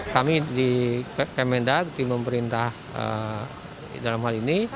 kami di kemendak tim pemerintah dalam hal ini